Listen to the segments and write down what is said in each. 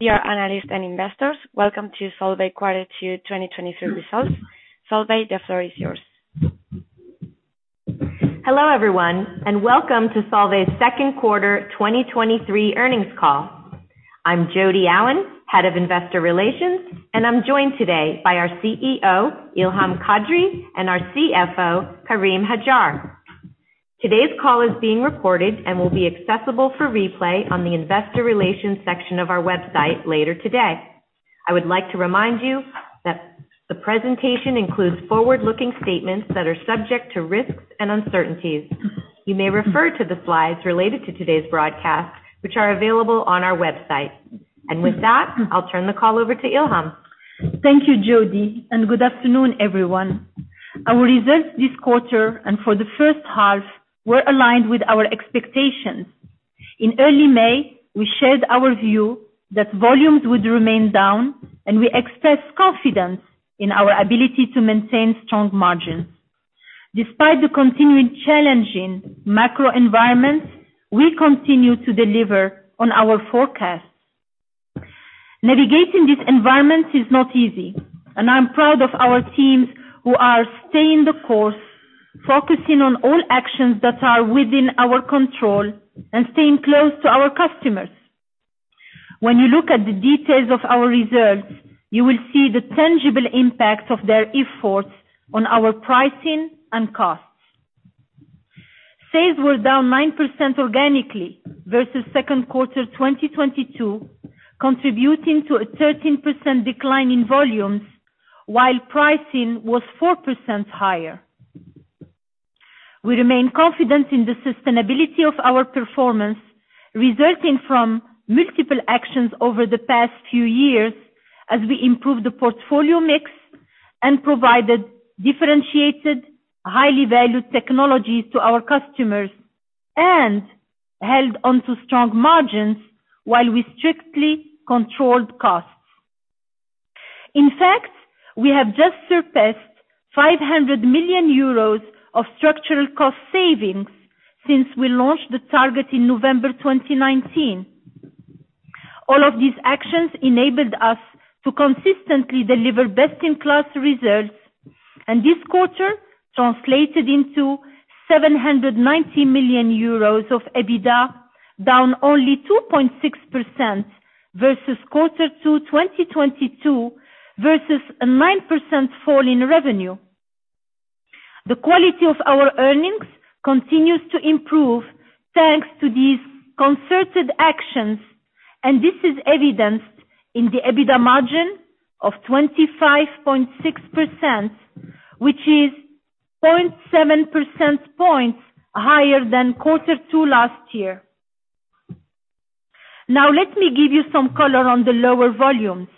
Dear analysts and investors, welcome to Solvay quarter two 2023 results. Solvay, the floor is yours. Hello, everyone, and welcome to Solvay's second quarter 2023 earnings call. I'm Jodi Allen, Head of Investor Relations, and I'm joined today by our CEO, Ilham Kadri, and our CFO, Karim Hajjar. Today's call is being recorded and will be accessible for replay on the investor relations section of our website later today. I would like to remind you that the presentation includes forward-looking statements that are subject to risks and uncertainties. You may refer to the slides related to today's broadcast, which are available on our website. With that, I'll turn the call over to Ilham. Thank you, Jodi. Good afternoon, everyone. Our results this quarter and for the first half were aligned with our expectations. In early May, we shared our view that volumes would remain down, and we expressed confidence in our ability to maintain strong margins. Despite the continuing challenging macro environment, we continue to deliver on our forecasts. Navigating this environment is not easy, and I'm proud of our teams who are staying the course, focusing on all actions that are within our control and staying close to our customers. When you look at the details of our results, you will see the tangible impact of their efforts on our pricing and costs. Sales were down 9% organically versus second quarter 2022, contributing to a 13% decline in volumes, while pricing was 4% higher. We remain confident in the sustainability of our performance, resulting from multiple actions over the past few years as we improve the portfolio mix and provided differentiated, highly valued technologies to our customers and held onto strong margins while we strictly controlled costs. In fact, we have just surpassed 500 million euros of structural cost savings since we launched the target in November 2019. All of these actions enabled us to consistently deliver best-in-class results, and this quarter translated into 790 million euros of EBITDA, down only 2.6% versus quarter two 2022, versus a 9% fall in revenue. The quality of our earnings continues to improve thanks to these concerted actions, and this is evidenced in the EBITDA margin of 25.6%, which is 0.7 percentage points higher than quarter two last year. Now, let me give you some color on the lower volumes.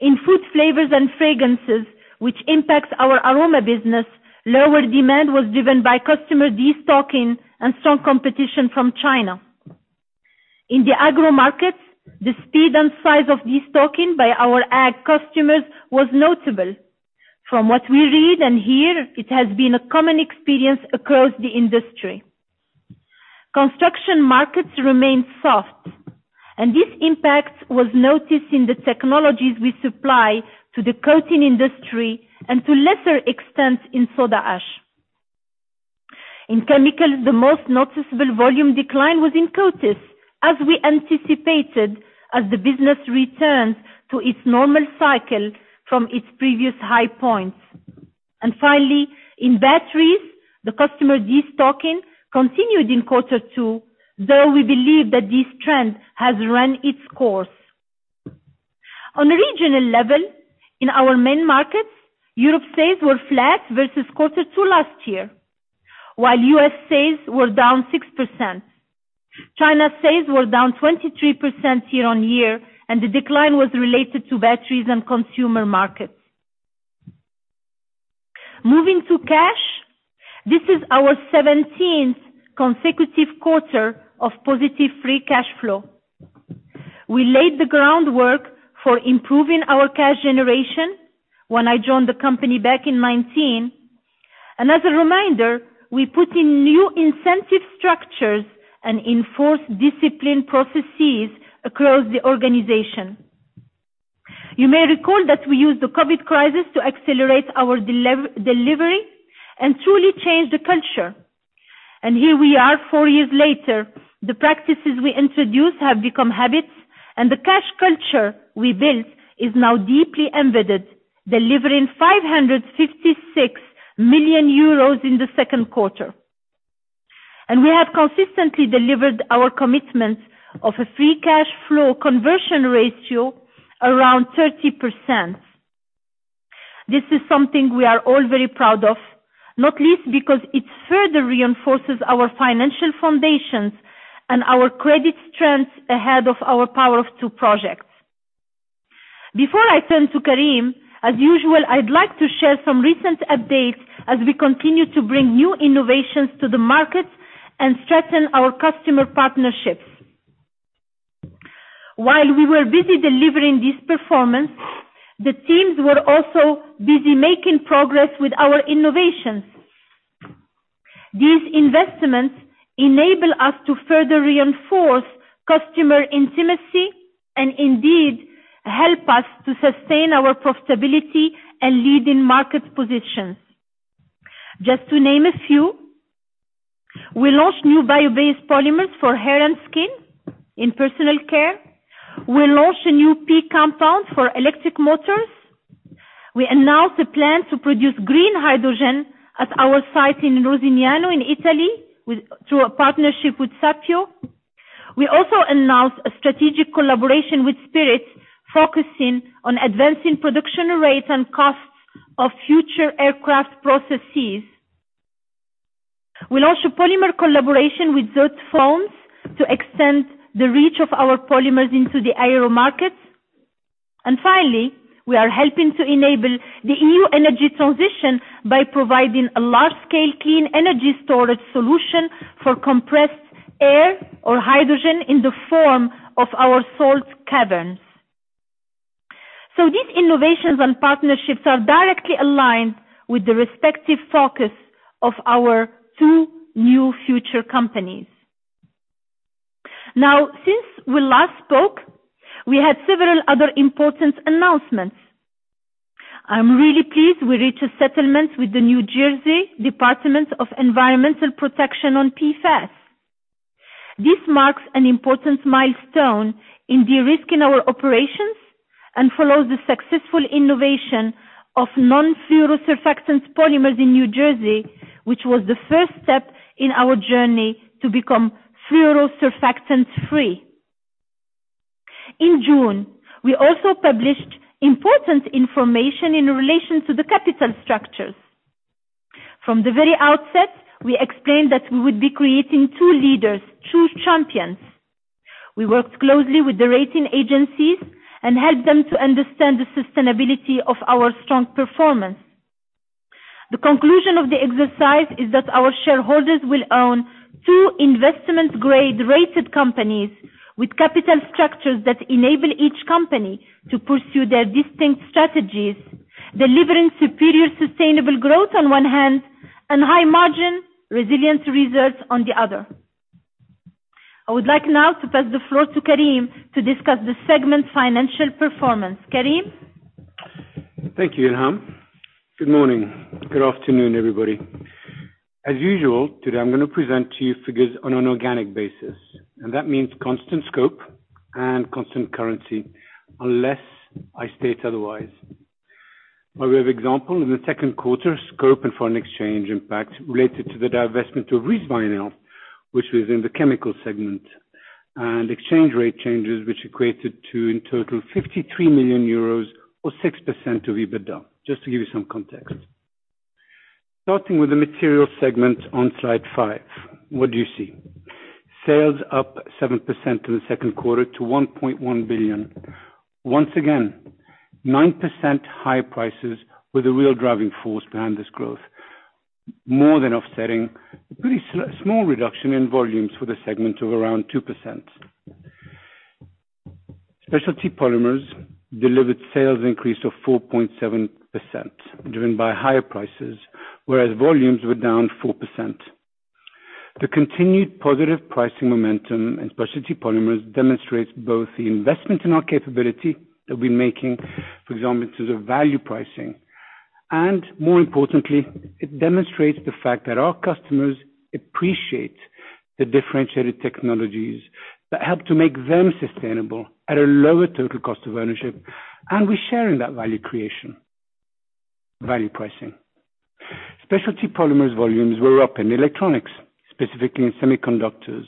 In food, flavors, and fragrances, which impacts our aroma business, lower demand was driven by customer destocking and strong competition from China. In the agro market, the speed and size of destocking by our ag customers was notable. From what we read and hear, it has been a common experience across the industry. Construction markets remain soft, and this impact was noticed in the technologies we supply to the coating industry and to a lesser extent, in soda ash. In chemicals, the most noticeable volume decline was in coatings, as we anticipated, as the business returned to its normal cycle from its previous high points. Finally, in batteries, the customer destocking continued in quarter two, though we believe that this trend has run its course. On a regional level, in our main markets, Europe sales were flat versus quarter two last year, while U.S. sales were down 6%. The decline was related to batteries and consumer markets. Moving to cash, this is our 17th consecutive quarter of positive free cash flow. We laid the groundwork for improving our cash generation when I joined the company back in 2019. As a reminder, we put in new incentive structures and enforced discipline processes across the organization. You may recall that we used the COVID crisis to accelerate our delivery and truly change the culture. Here we are four years later. The practices we introduced have become habits, and the cash culture we built is now deeply embedded, delivering 556 million euros in the second quarter. We have consistently delivered our commitment of a free cash flow conversion ratio around 30%. This is something we are all very proud of, not least because it further reinforces our financial foundations and our credit strength ahead of our Power of Two projects. Before I turn to Karim, as usual, I'd like to share some recent updates as we continue to bring new innovations to the market and strengthen our customer partnerships. While we were busy delivering this performance, the teams were also busy making progress with our innovations. These investments enable us to further reinforce customer intimacy and indeed help us to sustain our profitability and leading market positions. Just to name a few, we launched new bio-based polymers for hair and skin in personal care. We launched a new PEEK compound for electric motors. We announced a plan to produce green hydrogen at our site in Rosignano, in Italy, through a partnership with Sapio. We also announced a strategic collaboration with Spirit, focusing on advancing production rates and costs of future aircraft processes. We launched a polymer collaboration with Zotefoams to extend the reach of our polymers into the aero market. Finally, we are helping to enable the EU energy transition by providing a large-scale clean energy storage solution for compressed air or hydrogen in the form of our salt caverns. These innovations and partnerships are directly aligned with the respective focus of our two new future companies. Now, since we last spoke, we had several other important announcements. I'm really pleased we reached a settlement with the New Jersey Department of Environmental Protection on PFAS. This marks an important milestone in de-risking our operations and follows the successful innovation of non-fluorosurfactant polymers in New Jersey, which was the first step in our journey to become fluorosurfactant-free. In June, we also published important information in relation to the capital structures. From the very outset, we explained that we would be creating two leaders, two champions. We worked closely with the rating agencies and helped them to understand the sustainability of our strong performance. The conclusion of the exercise is that our shareholders will own two investment-grade rated companies with capital structures that enable each company to pursue their distinct strategies, delivering superior sustainable growth on one hand, and high margin, resilient results on the other. I would like now to pass the floor to Karim to discuss the segment's financial performance. Karim? Thank you, Ilham Kadri. Good morning. Good afternoon, everybody. As usual, today I'm gonna present to you figures on an organic basis, and that means constant scope and constant currency, unless I state otherwise. By way of example, in the second quarter, scope and foreign exchange impact related to the divestment of RusVinyl, which was in the chemical segment, and exchange rate changes, which equated to, in total, 53 million euros or 6% of EBITDA, just to give you some context. Starting with the material segment on slide five, what do you see? Sales up 7% in the second quarter to 1.1 billion. Once again, 9% higher prices were the real driving force behind this growth, more than offsetting pretty small reduction in volumes for the segment of around 2%. Specialty Polymers delivered sales increase of 4.7%, driven by higher prices, whereas volumes were down 4%. The continued positive pricing momentum in Specialty Polymers demonstrates both the investment in our capability that we're making, for example, to the value pricing, and more importantly, it demonstrates the fact that our customers appreciate the differentiated technologies that help to make them sustainable at a lower total cost of ownership, and we share in that value creation, value pricing. Specialty Polymers volumes were up in electronics, specifically in semiconductors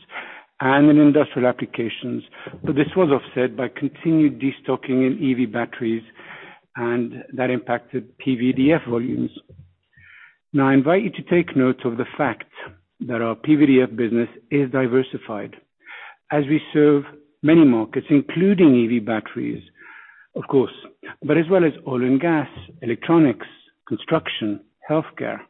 and in industrial applications, but this was offset by continued destocking in EV batteries, and that impacted PVDF volumes. Now, I invite you to take note of the fact that our PVDF business is diversified, as we serve many markets, including EV batteries, of course, but as well as oil and gas, electronics, construction, healthcare.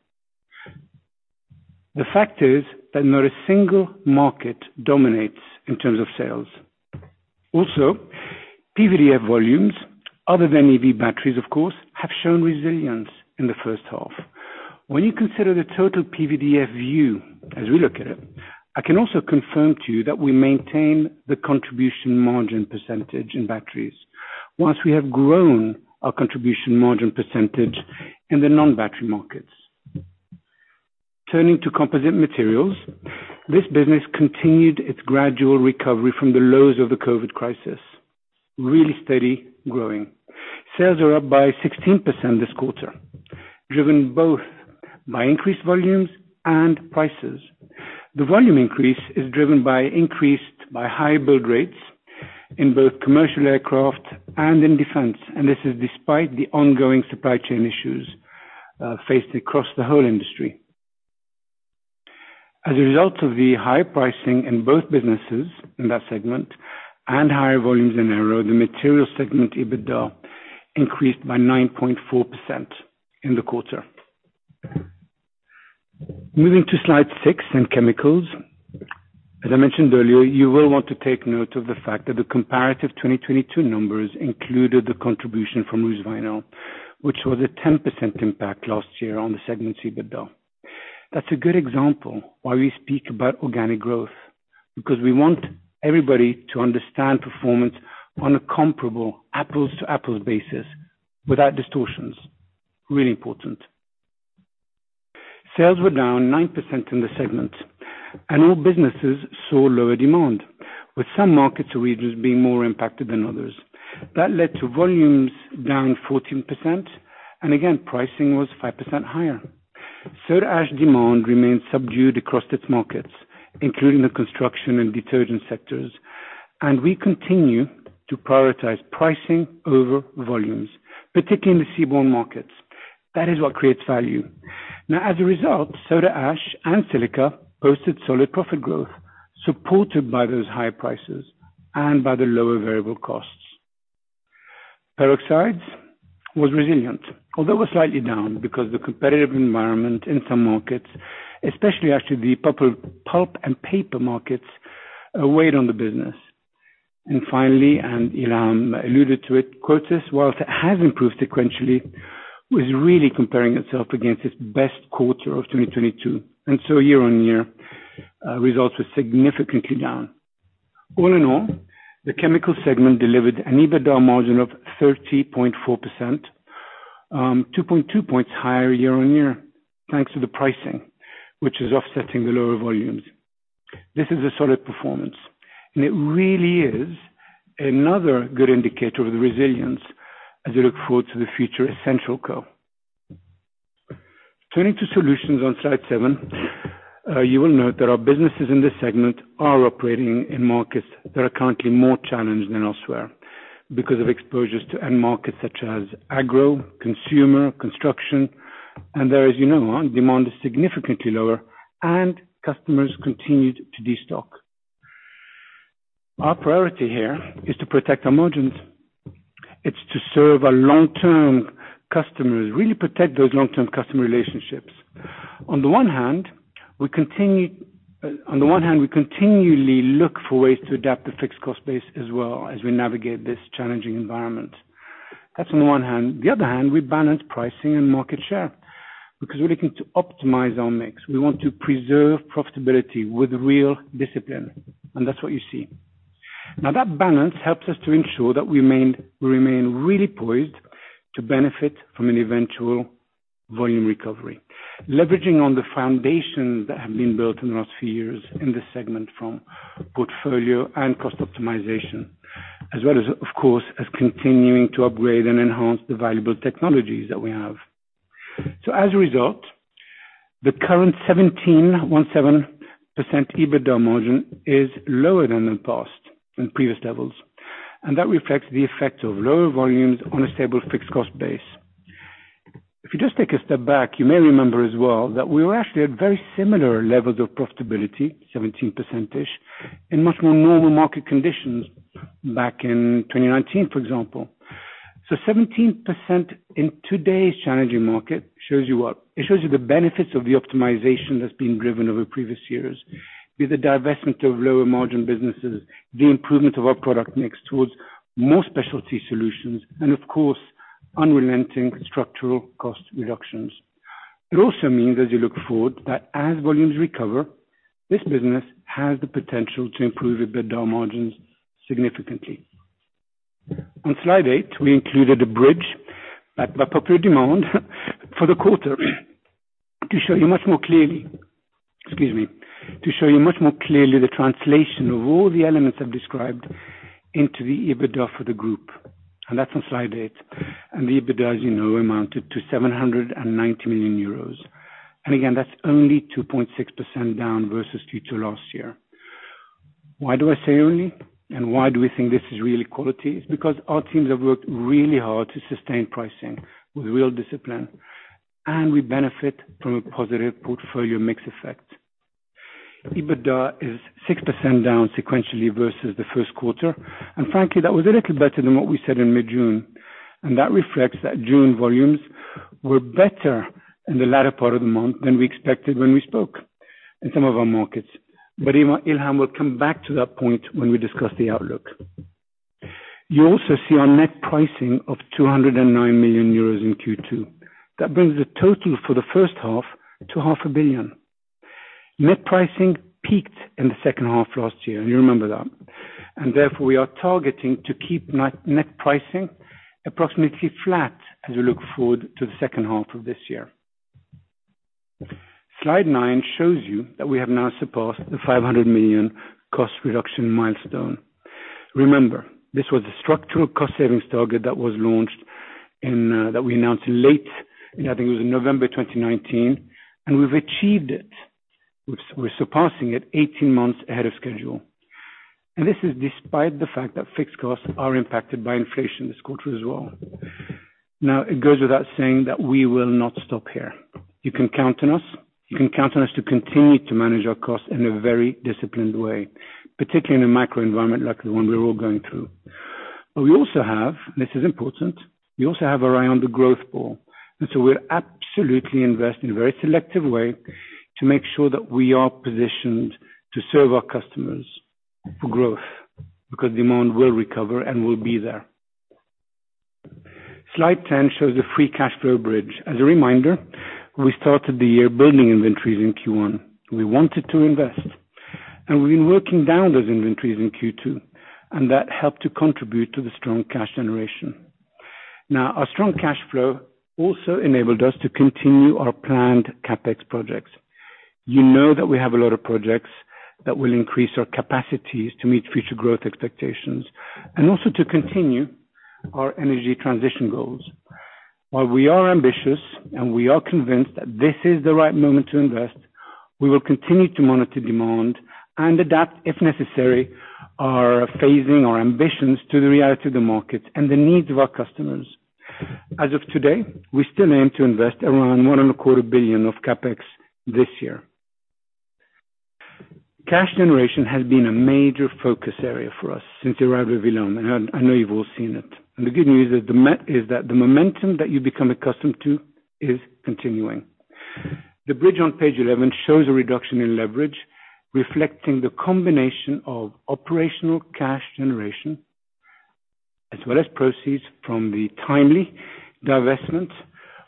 PVDF volumes, other than EV batteries, of course, have shown resilience in the first half. When you consider the total PVDF view, as we look at it, I can also confirm to you that we maintain the contribution margin percentage in batteries, whilst we have grown our contribution margin percentage in the non-battery markets. Turning to Composite Materials, this business continued its gradual recovery from the lows of the COVID crisis, really steady growing. Sales are up by 16% this quarter, driven both by increased volumes and prices. The volume increase is driven by high build rates in both commercial aircraft and in defense, and this is despite the ongoing supply chain issues faced across the whole industry. As a result of the high pricing in both businesses in that segment and higher volumes in aero, the material segment, EBITDA increased by 9.4% in the quarter. Moving to slide six in chemicals. As I mentioned earlier, you will want to take note of the fact that the comparative 2022 numbers included the contribution from RusVinyl, which was a 10% impact last year on the segment's EBITDA. That's a good example why we speak about organic growth, because we want everybody to understand performance on a comparable apples to apples basis without distortions. Really important. Sales were down 9% in the segment, all businesses saw lower demand, with some markets or regions being more impacted than others. That led to volumes down 14%, again, pricing was 5% higher. Soda ash demand remains subdued across its markets, including the construction and detergent sectors, and we continue to prioritize pricing over volumes, particularly in the seaborne markets. That is what creates value. Now, as a result, soda ash and Silica posted solid profit growth, supported by those high prices and by the lower variable costs. Peroxides was resilient, although was slightly down because the competitive environment in some markets, especially actually the pulp and paper markets, weighed on the business. Finally, and Ilham alluded to it, Coatis, while have improved sequentially, was really comparing itself against its best quarter of 2022, and so year-on-year results were significantly down. All in all, the chemical segment delivered an EBITDA margin of 30.4%, 2.2 points higher year-on-year, thanks to the pricing, which is offsetting the lower volumes. This is a solid performance. It really is another good indicator of the resilience as we look forward to the future EssentialCo. Turning to solutions on slide seven, you will note that our businesses in this segment are operating in markets that are currently more challenged than elsewhere because of exposures to end markets such as agro, consumer, construction, and there, as you know, demand is significantly lower and customers continued to destock. Our priority here is to protect our margins. It's to serve our long-term customers, really protect those long-term customer relationships. On the one hand, on the one hand, we continually look for ways to adapt the fixed cost base as well as we navigate this challenging environment. That's on the one hand. The other hand, we balance pricing and market share, because we're looking to optimize our mix. We want to preserve profitability with real discipline, and that's what you see. Now, that balance helps us to ensure that we remain, we remain really poised to benefit from an eventual volume recovery, leveraging on the foundations that have been built in the last few years in this segment from portfolio and cost optimization, as well as, of course, as continuing to upgrade and enhance the valuable technologies that we have. As a result, the current 17% EBITDA margin is lower than in the past, than previous levels, and that reflects the effect of lower volumes on a stable fixed cost base. If you just take a step back, you may remember as well that we were actually at very similar levels of profitability, 17%-ish, in much more normal market conditions back in 2019, for example. 17% in today's challenging market shows you what? It shows you the benefits of the optimization that's been driven over previous years, with the divestment of lower margin businesses, the improvement of our product mix towards more specialty solutions, and of course, unrelenting structural cost reductions. It also means, as you look forward, that as volumes recover, this business has the potential to improve EBITDA margins significantly. On slide eight, we included a bridge, by popular demand, for the quarter, to show you much more clearly. Excuse me. To show you much more clearly the translation of all the elements I've described into the EBITDA for the group, and that's on slide eight. The EBITDA, as you know, amounted to 790 million euros. Again, that's only 2.6% down versus Q2 last year. Why do I say only, and why do we think this is really quality? It's because our teams have worked really hard to sustain pricing with real discipline, and we benefit from a positive portfolio mix effect. EBITDA is 6% down sequentially versus the first quarter. Frankly, that was a little better than what we said in mid-June. That reflects that June volumes were better in the latter part of the month than we expected when we spoke in some of our markets. Ilham will come back to that point when we discuss the outlook. You also see our net pricing of 209 million euros in Q2. That brings the total for the first half to 500 million. Net pricing peaked in the second half of last year, and you remember that. Therefore, we are targeting to keep net pricing approximately flat as we look forward to the second half of this year. Slide nine shows you that we have now surpassed the 500 million cost reduction milestone. Remember, this was a structural cost savings target that was launched in late, I think it was in November 2019, and we've achieved it. We're surpassing it 18 months ahead of schedule. This is despite the fact that fixed costs are impacted by inflation this quarter as well. It goes without saying that we will not stop here. You can count on us. You can count on us to continue to manage our costs in a very disciplined way, particularly in a macro environment like the one we're all going through. We also have, this is important, we also have our eye on the growth ball. So we're absolutely invest in a very selective way to make sure that we are positioned to serve our customers for growth, because demand will recover and will be there. Slide 10 shows the free cash flow bridge. As a reminder, we started the year building inventories in Q1. We wanted to invest, and we've been working down those inventories in Q2, and that helped to contribute to the strong cash generation. Now, our strong cash flow also enabled us to continue our planned CapEx projects. You know that we have a lot of projects that will increase our capacities to meet future growth expectations, and also to continue our energy transition goals. While we are ambitious and we are convinced that this is the right moment to invest, we will continue to monitor demand and adapt, if necessary, our phasing, our ambitions to the reality of the market and the needs of our customers. As of today, we still aim to invest around 1.25 billion of CapEx this year. Cash generation has been a major focus area for us since the arrival of Ilham, I know you've all seen it. The good news is that the momentum that you've become accustomed to is continuing. The bridge on page 11 shows a reduction in leverage, reflecting the combination of operational cash generation, as well as proceeds from the timely divestment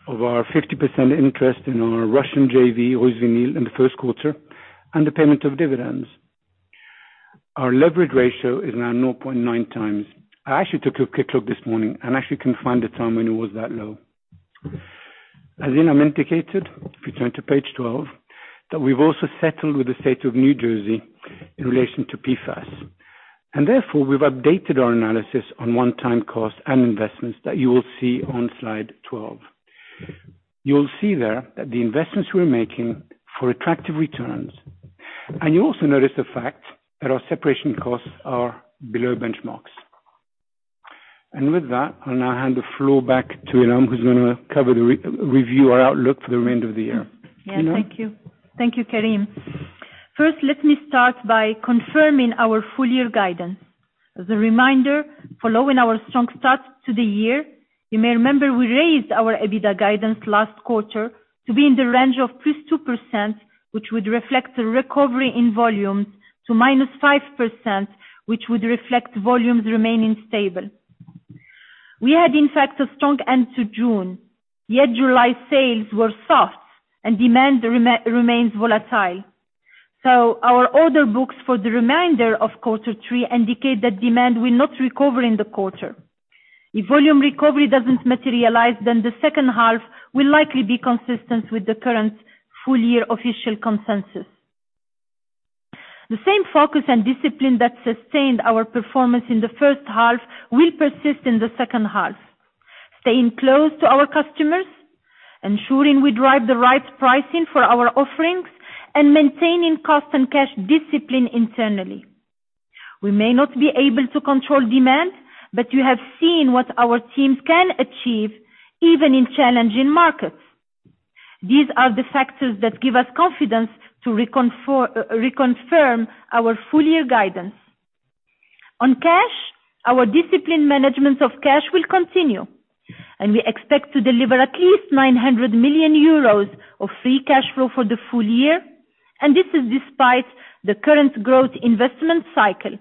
of our 50% interest in our Russian JV, RusVinyl, in the first quarter, and the payment of dividends. Our leverage ratio is now 0.9x. I actually took a quick look this morning, and I actually couldn't find the time when it was that low. As Ilham indicated, if you turn to page 12, that we've also settled with the State of New Jersey in relation to PFAS, and therefore, we've updated our analysis on one-time costs and investments that you will see on slide 12. You'll see there that the investments we're making for attractive returns, and you'll also notice the fact that our separation costs are below benchmarks. With that, I'll now hand the floor back to Ilham, who's gonna cover the review our outlook for the remainder of the year. Ilham? Thank you. Thank you, Karim. First, let me start by confirming our full year guidance. As a reminder, following our strong start to the year, you may remember we raised our EBITDA guidance last quarter to be in the range of +2%, which would reflect a recovery in volumes, to -5%, which would reflect volumes remaining stable. We had, in fact, a strong end to June, yet July sales were soft and demand remains volatile. Our order books for the remainder of quarter three indicate that demand will not recover in the quarter. If volume recovery doesn't materialize, the second half will likely be consistent with the current full year official consensus. The same focus and discipline that sustained our performance in the first half will persist in the second half. Staying close to our customers, ensuring we drive the right pricing for our offerings, and maintaining cost and cash discipline internally. We may not be able to control demand, you have seen what our teams can achieve, even in challenging markets. These are the factors that give us confidence to reconfirm our full year guidance. On cash, our discipline management of cash will continue. We expect to deliver at least 900 million euros of free cash flow for the full year, this is despite the current growth investment cycle.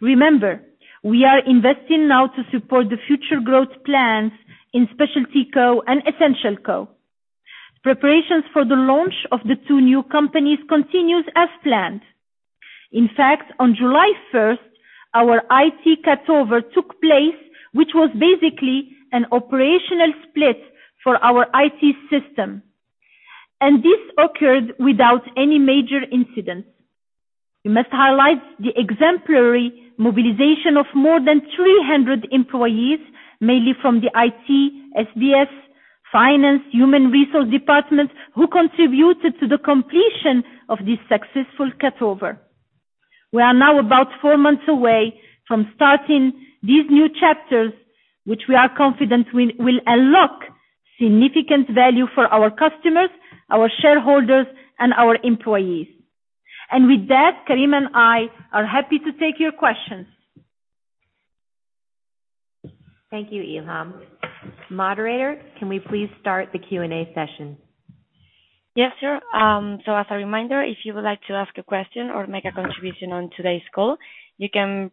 Remember, we are investing now to support the future growth plans in SpecialtyCo and EssentialCo. Preparations for the launch of the two new companies continues as planned. In fact, on July 1st, our IT cutover took place, which was basically an operational split for our IT system. This occurred without any major incidents. We must highlight the exemplary mobilization of more than 300 employees, mainly from the IT, SBS, finance, human resource departments, who contributed to the completion of this successful cutover. We are now about four months away from starting these new chapters, which we are confident will unlock significant value for our customers, our shareholders, and our employees. With that, Karim and I are happy to take your questions. Thank you, Ilham. Moderator, can we please start the Q&A session? Yes, sure. As a reminder, if you would like to ask a question or make a contribution on today's call, you can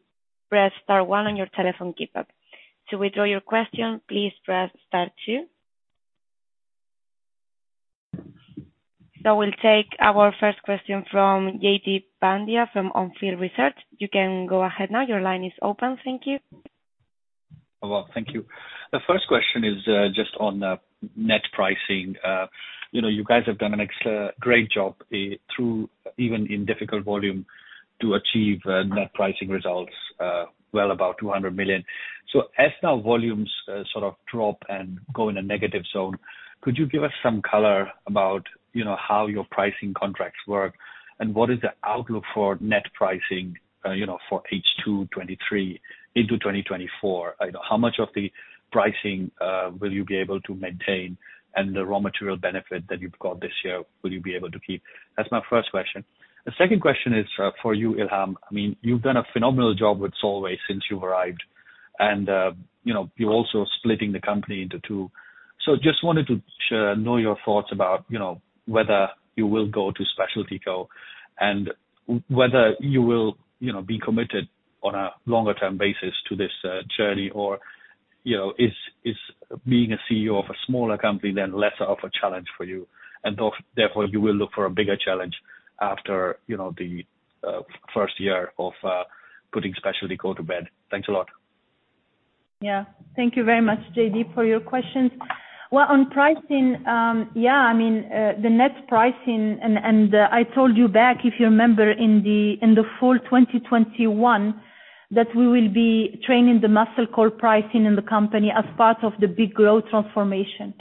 press star one on your telephone keypad. To withdraw your question, please press star two. We'll take our first question from Jaideep Pandya from On Field Research. You can go ahead now. Your line is open. Thank you. Hello, thank you. The first question is just on net pricing. You know, you guys have done a great job through, even in difficult volume, to achieve net pricing results well above 200 million. As now volumes sort of drop and go in a negative zone, could you give us some color about, you know, how your pricing contracts work? What is the outlook for net pricing, you know, for H2 2023 into 2024? You know, how much of the pricing will you be able to maintain, and the raw material benefit that you've got this year, will you be able to keep? That's my first question. The second question is for you, Ilham. I mean, you've done a phenomenal job with Solvay since you've arrived. You know, you're also splitting the company into two. Just wanted to know your thoughts about, you know, whether you will go to SpecialtyCo, and whether you will, you know, be committed on a longer term basis to this journey, or, you know, is, is being a CEO of a smaller company then lesser of a challenge for you? Therefore, you will look for a bigger challenge after, you know, the first year of putting SpecialtyCo to bed. Thanks a lot. Yeah. Thank you very much, Jaideep, for your questions. Well, on pricing, yeah, I mean, the net pricing and, and, I told you back, if you remember, in the fall 2021, that we will be training the muscle core pricing in the company as part of the big growth transformation.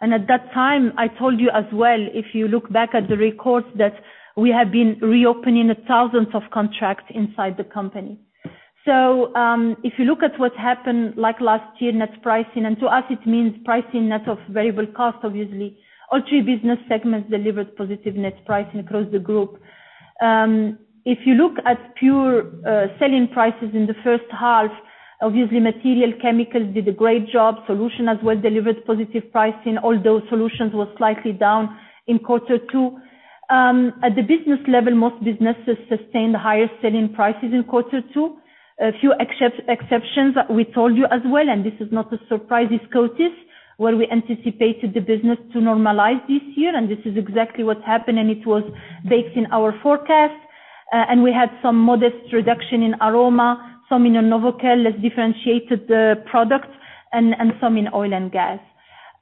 At that time, I told you as well, if you look back at the records, that we have been reopening thousands of contracts inside the company. If you look at what happened, like last year, net pricing, and to us it means pricing net of variable costs, obviously, all three business segments delivered positive net pricing across the group. If you look at pure selling prices in the first half, obviously, Material, Chemicals did a great job. Solution as well delivered positive pricing, although Solutions was slightly down in quarter two. At the business level, most businesses sustained higher selling prices in quarter two. A few exceptions, we told you as well, and this is not a surprise, is Coatis, where we anticipated the business to normalize this year, and this is exactly what happened, and it was based in our forecast. We had some modest reduction in Aroma, some in Novecare, less differentiated the products and, and some in oil and gas.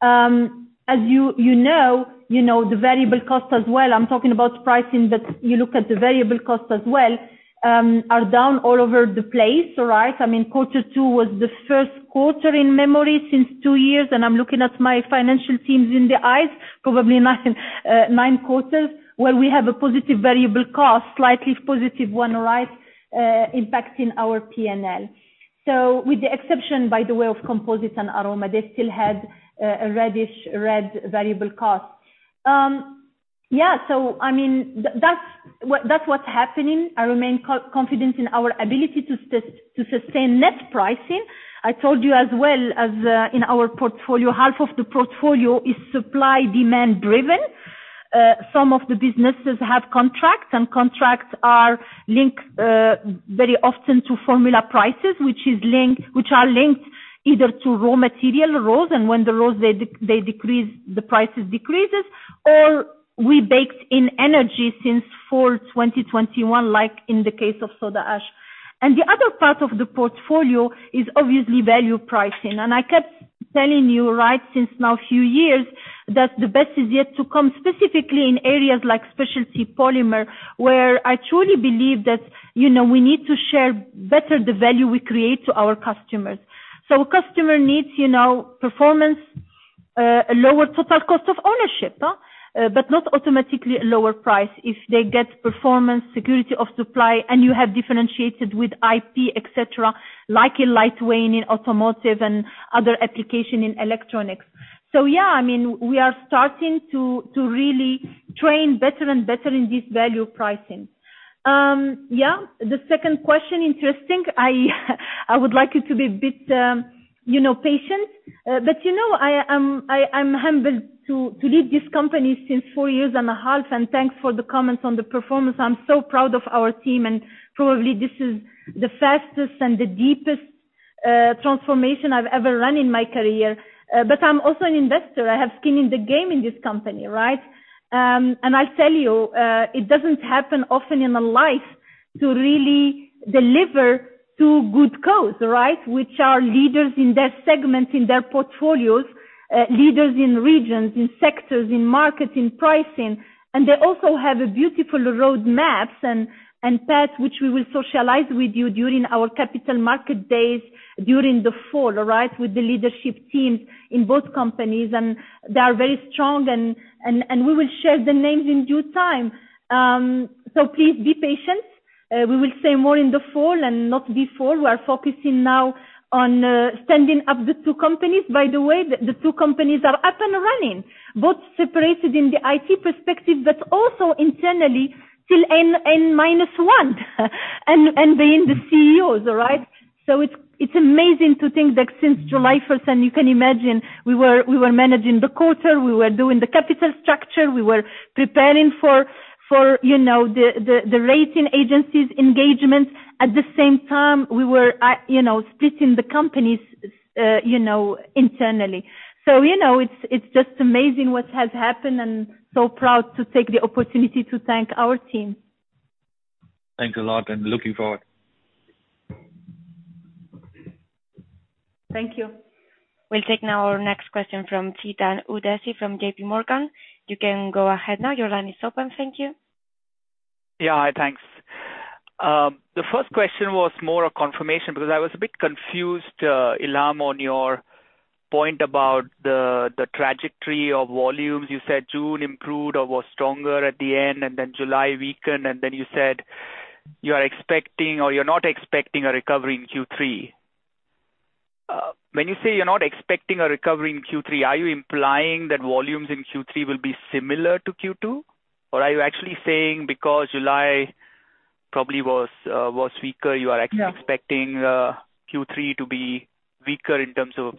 As you, you know, you know the variable cost as well. I'm talking about pricing, but you look at the variable cost as well, are down all over the place, all right? I mean, Q2 was the first quarter in memory since two years, and I'm looking at my financial teams in the eyes, probably nine quarters, where we have a positive variable cost, slightly positive one, right, impacting our P&L. With the exception, by the way, of Composites and Aroma, they still had a reddish red variable cost. Yeah, so I mean, that's what, that's what's happening. I remain confident in our ability to sustain net pricing. I told you as well as, in our portfolio, half of the portfolio is supply demand driven. Some of the businesses have contracts, contracts are linked, very often to formula prices, which is linked, which are linked either to raw material, raw, and when the raw they decrease, the prices decreases, or we baked in energy since fall 2021, like in the case of soda ash. The other part of the portfolio is obviously value pricing. I kept telling you, right, since now a few years, that the best is yet to come, specifically in areas like Specialty Polymers, where I truly believe that, you know, we need to share better the value we create to our customers. A customer needs, you know, performance, a lower total cost of ownership, but not automatically a lower price. If they get performance, security of supply, and you have differentiated with IP, et cetera, like in lightweight, in automotive and other application in electronics. Yeah, I mean, we are starting to, to really train better and better in this value pricing. Yeah, the second question, interesting. I, I would like you to be a bit, you know, patient. You know, I, I'm humbled to, to lead this company since four years and a half, and thanks for the comments on the performance. I'm so proud of our team, and probably this is the fastest and the deepest, transformation I've ever run in my career. I'm also an investor. I have skin in the game in this company, right? I tell you, it doesn't happen often in my life to really deliver two good codes, right? Which are leaders in their segments, in their portfolios, leaders in regions, in sectors, in markets, in pricing. They also have a beautiful roadmaps and path, which we will socialize with you during our Capital Market Days, during the fall, all right, with the leadership teams in both companies. They are very strong, and we will share the names in due time. Please be patient. We will say more in the fall and not before. We are focusing now on standing up the two companies. By the way, the two companies are up and running, both separated in the IT perspective, but also internally till N, N-1, being the CEOs, all right? It's, it's amazing to think that since July 1st, and you can imagine, we were, we were managing the quarter, we were doing the capital structure, we were preparing for, for, you know, the, the, the rating agencies engagements. At the same time, we were, you know, splitting the companies, you know, internally. You know, it's, it's just amazing what has happened, and so proud to take the opportunity to thank our team. Thanks a lot, and looking forward. Thank you. We'll take now our next question from Chetan Udeshi from JPMorgan. You can go ahead now. Your line is open. Thank you. Yeah. Hi, thanks. The first question was more a confirmation because I was a bit confused, Ilham, on your point about the, the trajectory of volumes. You said June improved or was stronger at the end, and then July weakened, and then you said you are expecting or you're not expecting a recovery in Q3. When you say you're not expecting a recovery in Q3, are you implying that volumes in Q3 will be similar to Q2, or are you actually saying because July probably was weaker, you are actually expecting Q3 to be weaker in terms of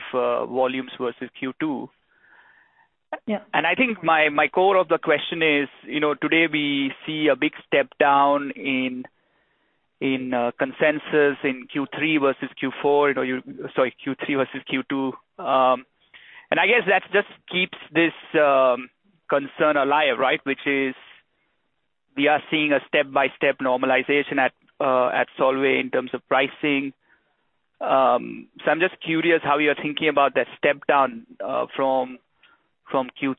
volumes versus Q2? Yeah. I think my, my core of the question is, you know, today we see a big step down in, in consensus in Q3 versus Q4, you know, sorry, Q3 versus Q2. I guess that just keeps this concern alive, right? We are seeing a step-by-step normalization at Solvay in terms of pricing. I'm just curious how you're thinking about that step down from Q2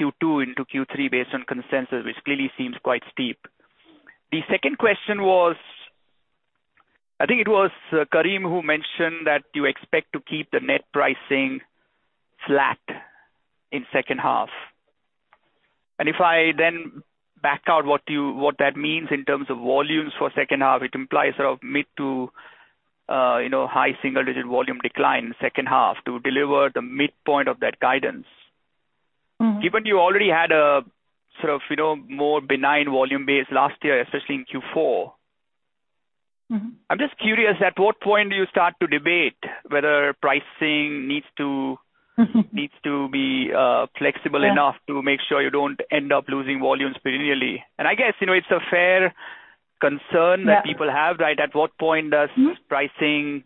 into Q3 based on consensus, which clearly seems quite steep. The second question was, I think it was Karim, who mentioned that you expect to keep the net pricing flat in second half. If I then back out what you, what that means in terms of volumes for second half, it implies sort of mid to, you know, high single digit volume decline second half to deliver the midpoint of that guidance. Mm-hmm. Given you already had a sort of, you know, more benign volume base last year, especially in Q4. Mm-hmm. I'm just curious, at what point do you start to debate whether pricing needs to be flexible? Yeah. enough to make sure you don't end up losing volumes materially? I guess, you know, it's a fair concern... Yeah. that people have, right? At what point does- Mm-hmm. pricing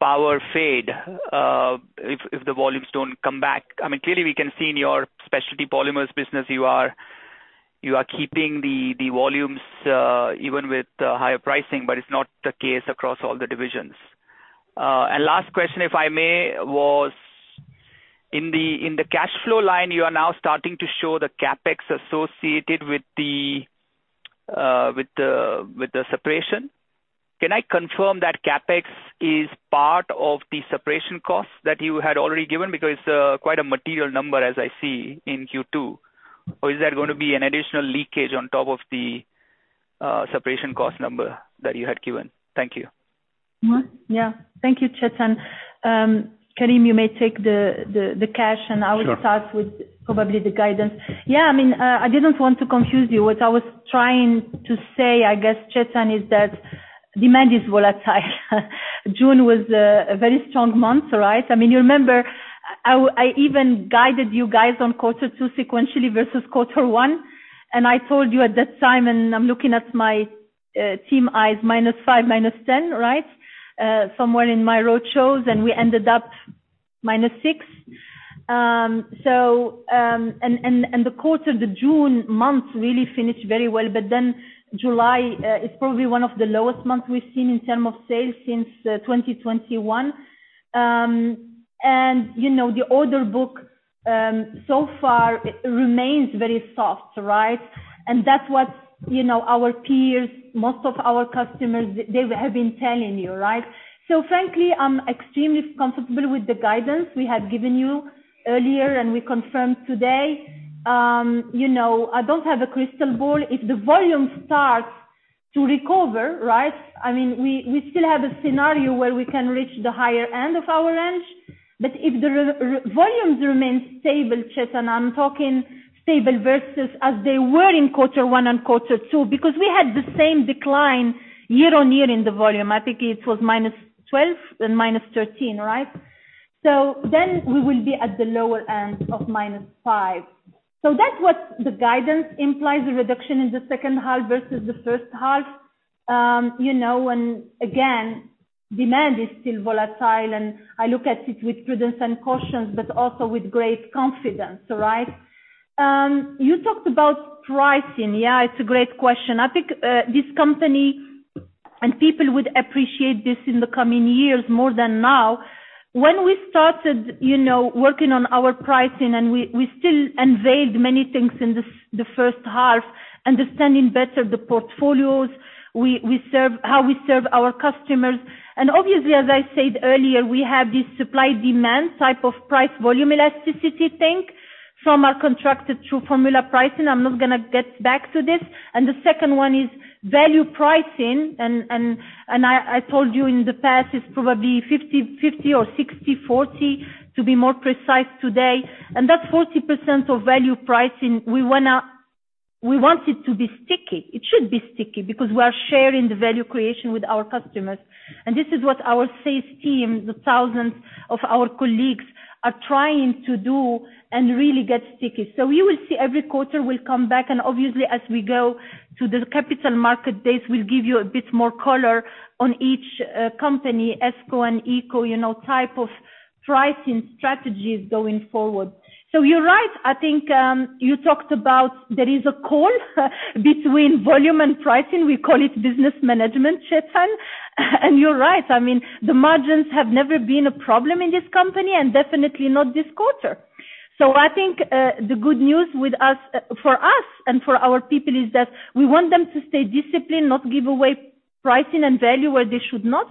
power fade, if, if the volumes don't come back? I mean, clearly we can see in your Specialty Polymers business, you are, you are keeping the, the volumes, even with higher pricing, but it's not the case across all the divisions. Last question, if I may, was in the, in the cash flow line, you are now starting to show the CapEx associated with the, with the separation. Can I confirm that CapEx is part of the separation cost that you had already given? Because it's quite a material number, as I see in Q2. Or is there going to be an additional leakage on top of the separation cost number that you had given? Thank you. Mm-hmm. Yeah. Thank you, Chetan. Karim, you may take the, the, the cash- Sure. I will start with probably the guidance. Yeah, I mean, I didn't want to confuse you. What I was trying to say, I guess, Chetan, is that demand is volatile. June was a very strong month, right? I mean, you remember, I, I even guided you guys on quarter two sequentially versus quarter one, and I told you at that time, and I'm looking at my team eyes, -5%, -10%, right? Somewhere in my road shows, and we ended up -6%. The quarter, the June month really finished very well, but then July is probably one of the lowest months we've seen in term of sales since 2021. You know, the order book so far remains very soft, right? That's what, you know, our peers, most of our customers, they have been telling you, right? Frankly, I'm extremely comfortable with the guidance we have given you earlier, and we confirmed today. You know, I don't have a crystal ball. If the volume starts to recover, right, I mean, we, we still have a scenario where we can reach the higher end of our range. If the re, re- volumes remain stable, Chetan, I'm talking stable versus as they were in quarter one and quarter two, because we had the same decline year-on-year in the volume. I think it was -12% and -13%, right? Then we will be at the lower end of -5%. That's what the guidance implies, a reduction in the second half versus the first half. You know, again, demand is still volatile, and I look at it with prudence and caution, but also with great confidence, right? You talked about pricing. Yeah, it's a great question. I think this company and people would appreciate this in the coming years more than now. When we started, you know, working on our pricing, and we, we still unveiled many things in this, the first half, understanding better the portfolios, we, we serve, how we serve our customers. Obviously, as I said earlier, we have this supply/demand type of price-volume elasticity thing from our contracted through formula pricing. I'm not gonna get back to this. The second one is value pricing, and, and, and I, I told you in the past, it's probably 50/50 or 60/40, to be more precise today. That 40% of value pricing, we want it to be sticky. It should be sticky because we are sharing the value creation with our customers. This is what our sales team, the thousands of our colleagues, are trying to do and really get sticky. We will see every quarter will come back, and obviously as we go to the capital market, this will give you a bit more color on each company, SCo and ECo, you know, type of pricing strategies going forward. You're right. I think you talked about there is a call between volume and pricing. We call it business management, Chetan. You're right, I mean, the margins have never been a problem in this company and definitely not this quarter. I think the good news with us, for us and for our people, is that we want them to stay disciplined, not give away pricing and value where they should not,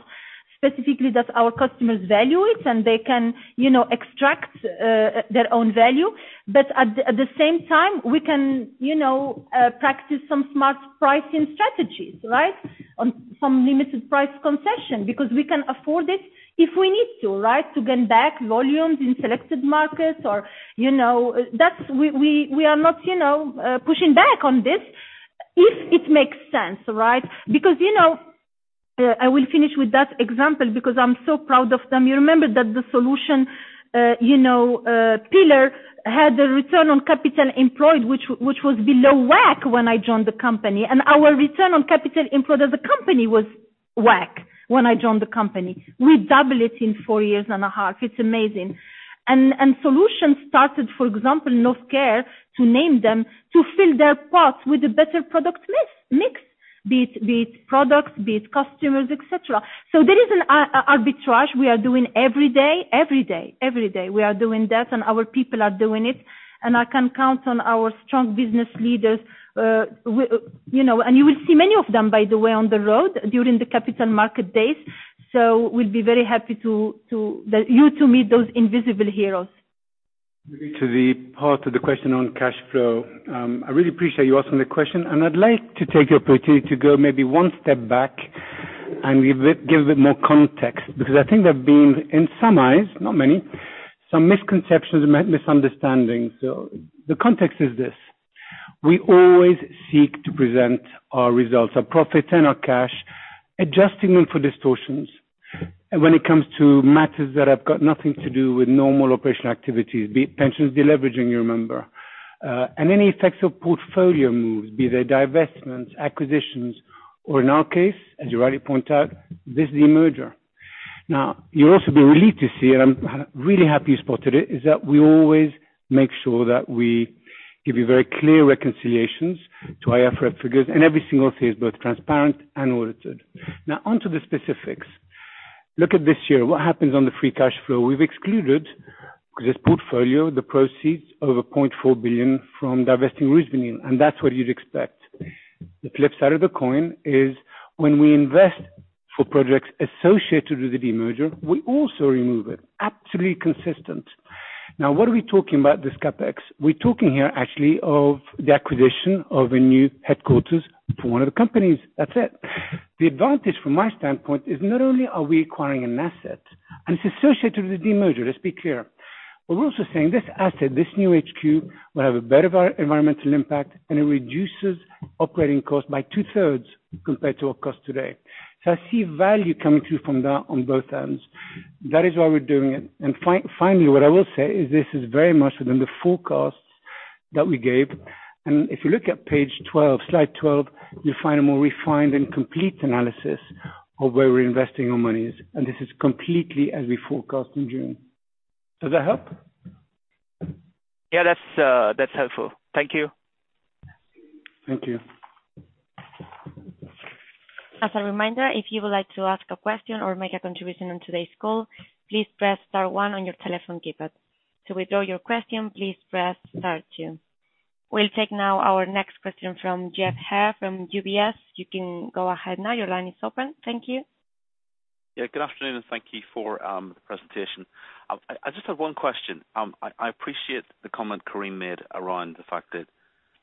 specifically that our customers value it, and they can, you know, extract their own value. At, at the same time, we can, you know, practice some smart pricing strategies, right? On some limited price concession, because we can afford it if we need to, right, to gain back volumes in selected markets or, you know, that's we, we, we are not, you know, pushing back on this if it makes sense, right? You know, I will finish with that example because I'm so proud of them. You remember that the solution, you know, Pillar had a return on capital employed, which, which was below WACC when I joined the company, and our return on capital employed as a company was WACC when I joined the company. We double it in four years and a half. It's amazing. Solutions started, for example, Novecare, to name them, to fill their pots with a better product mix, mix. Be it, be it products, be it customers, et cetera. So there is an arbitrage we are doing every day, every day, every day, we are doing that, and our people are doing it. I can count on our strong business leaders, you know, and you will see many of them, by the way, on the road during the Capital Market Days. We'll be very happy to, that you to meet those invisible heroes. To the part of the question on cash flow. I really appreciate you asking the question, and I'd like to take the opportunity to go maybe one step back and give it, give a bit more context, because I think there have been, in some eyes, not many, some misconceptions and some misunderstandings. The context is this: We always seek to present our results, our profits and our cash, adjusting them for distortions. When it comes to matters that have got nothing to do with normal operational activities, be it pensions, deleveraging, you remember, and any effects of portfolio moves, be they divestments, acquisitions, or in our case, as you rightly point out, this demerger. You'll also be relieved to see, and I'm really happy you spotted it, is that we always make sure that we give you very clear reconciliations to IFRS figures, and every single thing is both transparent and audited. Onto the specifics. Look at this year, what happens on the free cash flow? We've excluded, because it's portfolio, the proceeds over 0.4 billion from divesting RusVinyl, and that's what you'd expect. The flip side of the coin is when we invest for projects associated with the demerger, we also remove it. Absolutely consistent. What are we talking about, this CapEx? We're talking here actually of the acquisition of a new headquarters for one of the companies. That's it. The advantage from my standpoint is not only are we acquiring an asset, and it's associated with the demerger, let's be clear. We're also saying this asset, this new HQ, will have a better environmental impact, and it reduces operating costs by 2/3 compared to our cost today. I see value coming through from that on both ends. That is why we're doing it. Finally, what I will say is this is very much within the forecasts that we gave, and if you look at page 12, slide 12, you'll find a more refined and complete analysis of where we're investing our monies, and this is completely as we forecast in June. Does that help? Yeah, that's, that's helpful. Thank you. Thank you. As a reminder, if you would like to ask a question or make a contribution on today's call, please press star one on your telephone keypad. To withdraw your question, please press star two. We'll take now our next question from Geoff Haire from UBS. You can go ahead now. Your line is open. Thank you. Yeah, good afternoon. Thank you for the presentation. I, I just have one question. I, I appreciate the comment Karim made around the fact that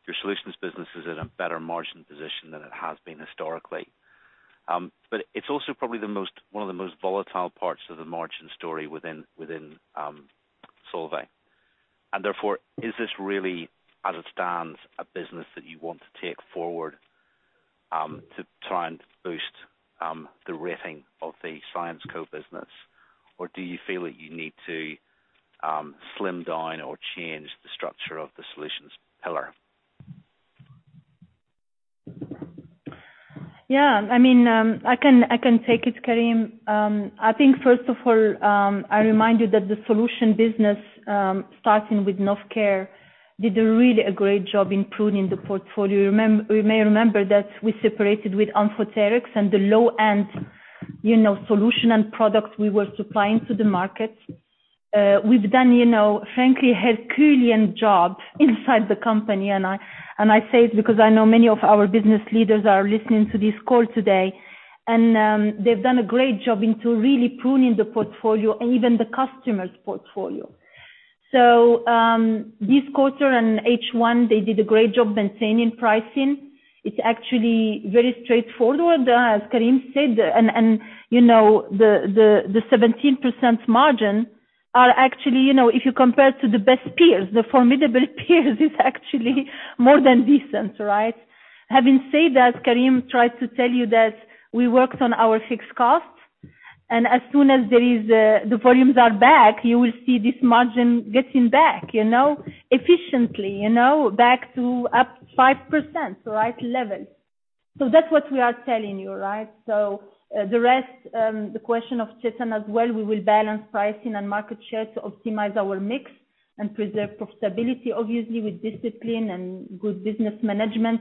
your Solutions business is in a better margin position than it has been historically. It's also probably the most, one of the most volatile parts of the margin story within, within Solvay. Therefore, is this really, as it stands, a business that you want to take forward to try and boost the rating of the SYENSQO business? Do you feel that you need to slim down or change the structure of the Solutions pillar? Yeah, I mean, I can, I can take it, Karim. I think first of all, I remind you that the Solutions business, starting with Novecare, did a really a great job improving the portfolio. You may remember that we separated with amphoterics and the low-end, you know, solution and products we were supplying to the market. We've done, you know, frankly, a Herculean job inside the company, and I, and I say it because I know many of our business leaders are listening to this call today, and they've done a great job into really pruning the portfolio and even the customer's portfolio. This quarter and H1, they did a great job maintaining pricing. It's actually very straightforward, as Karim said, and, you know, the, the, the 17% margin are actually, you know, if you compare to the best peers, the formidable peers, is actually more than decent, right? Having said that, Karim tried to tell you that we worked on our fixed costs, and as soon as there is the volumes are back, you will see this margin getting back, you know, efficiently, you know, back to up 5%, the right level. That's what we are telling you, right? The rest, the question of Chetan as well, we will balance pricing and market share to optimize our mix and preserve profitability, obviously, with discipline and good business management.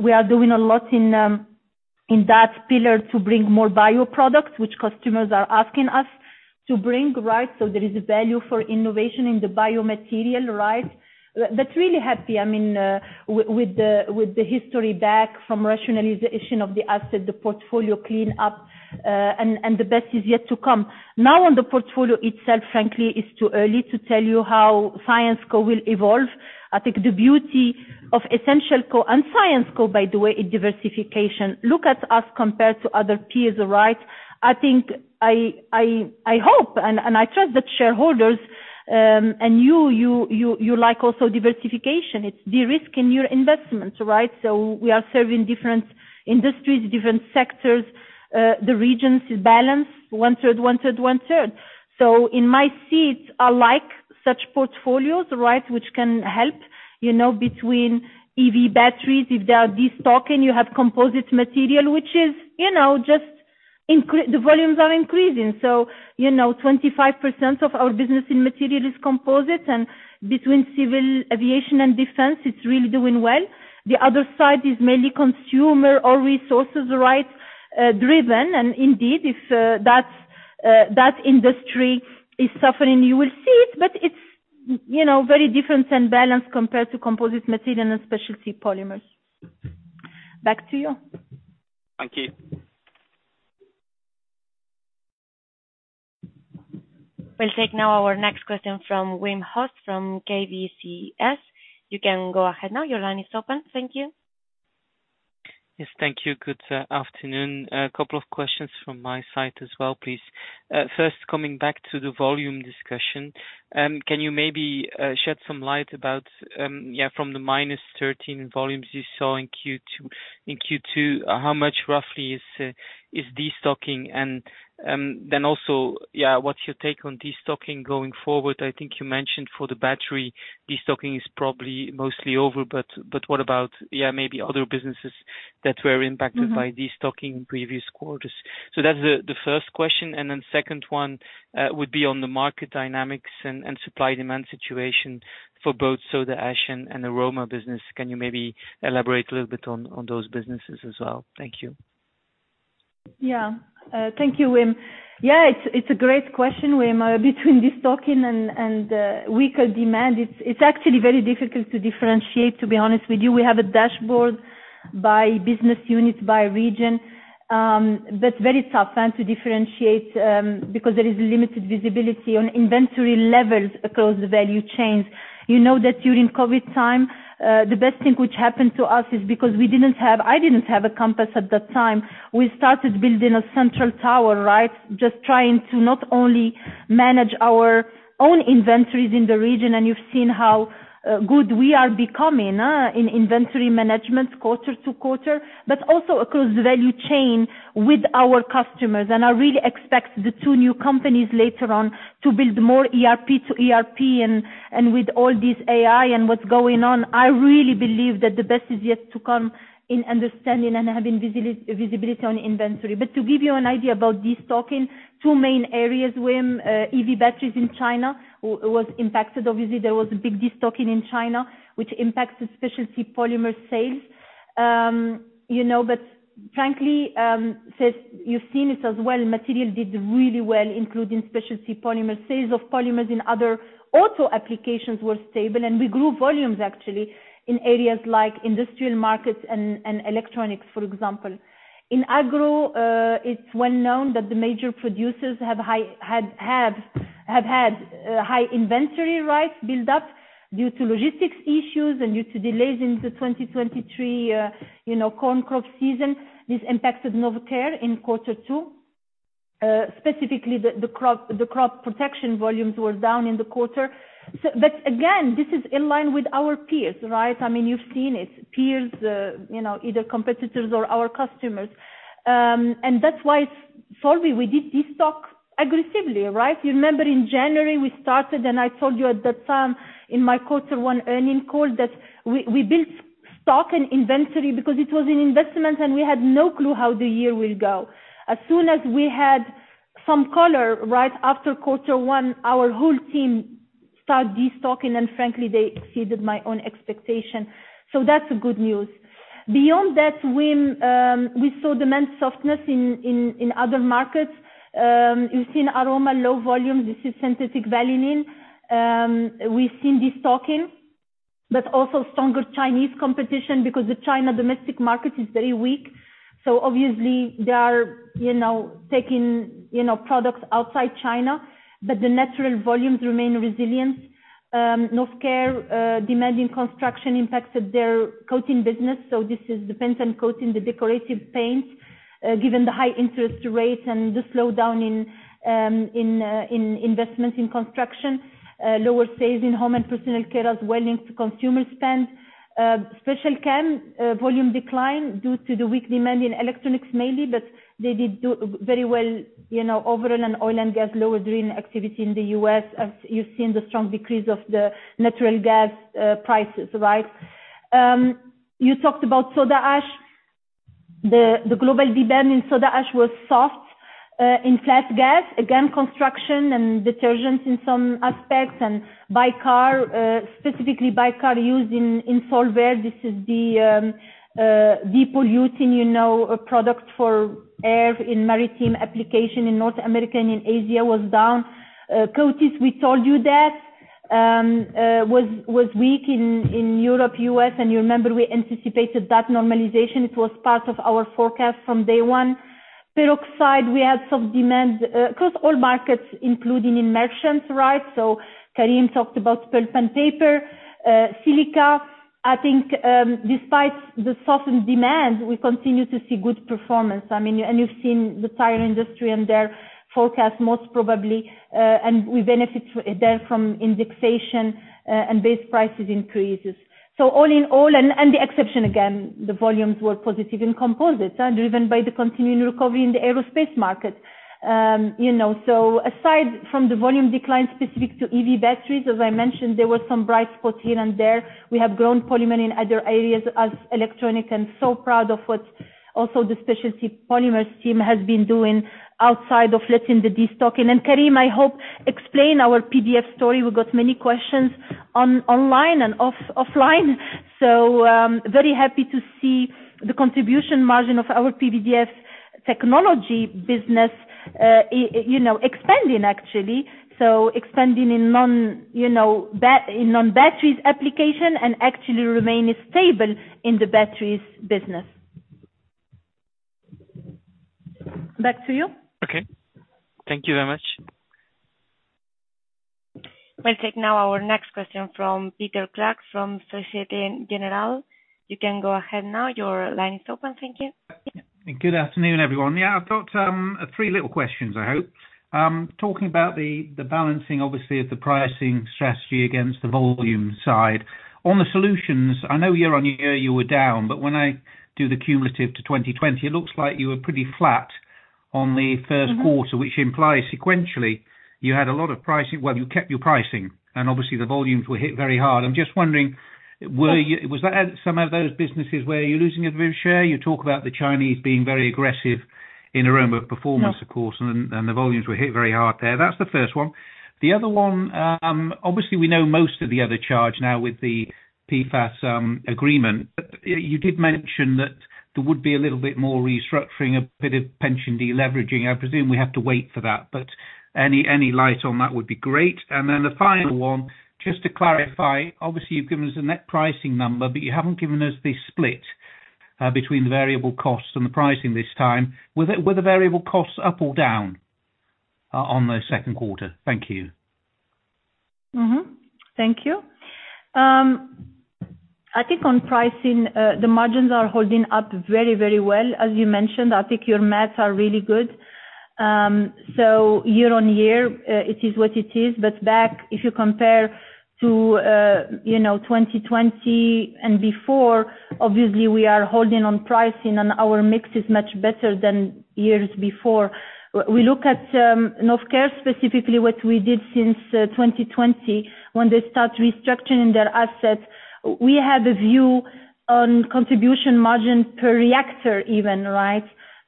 We are doing a lot in that pillar to bring more bio products, which customers are asking us to bring, right? There is a value for innovation in the biomaterial, right? Really happy with the history back from rationalization of the asset, the portfolio clean up, and the best is yet to come. Now, on the portfolio itself, frankly, it's too early to tell you how SYENSQO will evolve. I think the beauty of EssentialCo and SYENSQO, by the way, is diversification. Look at us compared to other peers, right? I think I hope and I trust that shareholders. And you like also diversification, it's de-risk in your investments, right? We are serving different industries, different sectors, the regions is balanced, 1/3, 1/3, 1/3. In my seats, I like such portfolios, right? Which can help, you know, between EV batteries, if there are destocking, you have Composite Material, which is, you know, just the volumes are increasing. You know, 25% of our business in material is Composites, and between civil aviation and defense, it's really doing well. The other side is mainly consumer or resources, right, driven, if that industry is suffering, you will see it, but it's, you know, very different than balanced compared to Composite Material and Specialty Polymers. Back to you. Thank you. We'll take now our next question from Wim Hoste from KBCS. You can go ahead now. Your line is open. Thank you. Yes, thank you. Good afternoon. A couple of questions from my side as well, please. First, coming back to the volume discussion, can you maybe shed some light about, yeah, from the -13% volumes you saw in Q2, in Q2, how much roughly is destocking? Then also, yeah, what's your take on destocking going forward? I think you mentioned for the battery, destocking is probably mostly over, but what about, yeah, maybe other businesses that were impacted- Mm-hmm. -by destocking in previous quarters? That's the, the first question. Second one, would be on the market dynamics and, and supply demand situation for both soda ash and, and aroma business. Can you maybe elaborate a little bit on, on those businesses as well? Thank you. Yeah. Thank you, Wim. Yeah, it's, it's a great question, Wim, between destocking and, and, weaker demand, it's, it's actually very difficult to differentiate, to be honest with you. We have a dashboard by business unit, by region, but very tough, and to differentiate, because there is limited visibility on inventory levels across the value chains. You know that during COVID time, the best thing which happened to us is because we didn't have, I didn't have a compass at that time. We started building a central tower, right? Just trying to not only manage our own inventories in the region, and you've seen how good we are becoming in inventory management quarter-to-quarter, but also across the value chain with our customers. I really expect the two new companies later on to build more ERP to ERP, and with all this AI and what's going on, I really believe that the best is yet to come in understanding and having visibility on inventory. To give you an idea about destocking, two main areas, Wim, EV batteries in China was impacted. Obviously, there was a big destocking in China, which impacts the Specialty Polymer sales. You know, frankly, since you've seen it as well, material did really well, including Specialty Polymer. Sales of polymers in other auto applications were stable, and we grew volumes actually in areas like industrial markets and electronics, for example. In agro, it's well known that the major producers have had high inventory, right, build up due to logistics issues and due to delays in the 2023, you know, corn crop season. This impacted Novecare in 2Q. Specifically, the crop protection volumes were down in the quarter. But again, this is in line with our peers, right? I mean, you've seen it, peers, you know, either competitors or our customers. That's why Solvay, we did destock aggressively, right? You remember in January, we started, I told you at that time in my 1Q earning call, that we, we built stock and inventory because it was an investment and we had no clue how the year will go. As soon as we had some color, right after quarter one, our whole team started destocking. Frankly, they exceeded my own expectation. That's good news. Beyond that, Wim, we saw demand softness in other markets. You've seen aroma, low volumes, this is synthetic vanillin. We've seen destocking, but also stronger Chinese competition because the China domestic market is very weak. Obviously, they are, you know, taking, you know, products outside China, but the natural volumes remain resilient. Novecare, demanding construction impacted their coating business, so this is the paint and coating, the decorative paints, given the high interest rates and the slowdown in investment in construction, lower sales in home and personal care as well links to consumer spend. Special Chem volume declined due to the weak demand in electronics mainly, but they did do very well, you know, overall in oil and gas, lower drilling activity in the U.S., as you've seen the strong decrease of the natural gas prices, right? You talked about soda ash. The global demand in soda ash was soft, in flat gas, again, construction and detergents in some aspects, and BICAR, specifically BICAR used in Solvay. This is the depolluting, you know, a product for air in maritime application in North America and in Asia was down. Coatings, we told you that was weak in Europe, U.S., and you remember we anticipated that normalization. It was part of our forecast from day one. Peroxides, we had some demand across all markets, including in merchants, right? Karim talked about pulp and paper. Silica. I think, despite the softened demand, we continue to see good performance. I mean, you've seen the tire industry and their forecast most probably, and we benefit there from indexation and base prices increases. All in all, the exception, again, the volumes were positive in Composites and driven by the continuing recovery in the aerospace market. You know, aside from the volume decline specific to EV batteries, as I mentioned, there were some bright spots here and there. We have grown polymer in other areas as electronic, so proud of what also the Specialty Polymers team has been doing outside of letting the destocking. Karim, I hope, explain our PVDF story. We've got many questions online and offline. Very happy to see the contribution margin of our PVDF technology business, you know, expanding actually. Expanding in non, you know, in non-batteries application and actually remain stable in the batteries business. Back to you. Okay. Thank you very much. We'll take now our next question from Peter Clark from Société Générale. You can go ahead now. Your line is open. Thank you. Good afternoon, everyone. Yeah, I've got, three little questions, I hope. Talking about the, the balancing, obviously, of the pricing strategy against the volume side. On the solutions, I know year-on-year, you were down, but when I do the cumulative to 2020, it looks like you were pretty flat on the first- Mm-hmm... quarter, which implies sequentially, you had a lot of pricing. Well, you kept your pricing, and obviously the volumes were hit very hard. I'm just wondering, was that some of those businesses where you're losing a good share? You talk about the Chinese being very aggressive in Aroma Performance? No... of course, and then, and the volumes were hit very hard there. That's the first one. The other one, obviously we know most of the other charge now with the PFAS agreement, but you did mention that there would be a little bit more restructuring, a bit of pension deleveraging. I presume we have to wait for that, but any, any light on that would be great. Then the final one, just to clarify, obviously, you've given us a net pricing number, but you haven't given us the split between the variable costs and the pricing this time. Were the variable costs up or down on the second quarter? Thank you. Mm-hmm. Thank you. I think on pricing, the margins are holding up very, very well. As you mentioned, I think your maths are really good. Year-on-year, it is what it is, but back if you compare to, you know, 2020 and before, obviously we are holding on pricing and our mix is much better than years before. We look at Novecare, specifically what we did since 2020, when they start restructuring their assets, we have a view on contribution margin per reactor even, right?